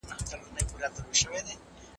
کلتور د انساني ژوند یو مهم اړخ دی.